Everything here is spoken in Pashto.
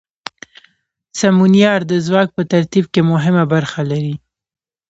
سمونیار د ځواک په ترتیب کې مهمه برخه لري.